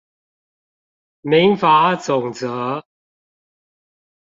民法總則